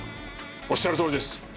おっしゃるとおりです。